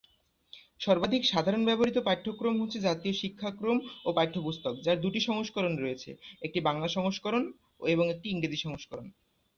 সর্বাধিক সাধারণ ব্যবহৃত পাঠ্যক্রম হচ্ছে জাতীয় শিক্ষাক্রম ও পাঠ্যপুস্তক, যার দুটি সংস্করণ রয়েছে, একটি বাংলা সংস্করণ এবং একটি ইংরেজি সংস্করণ।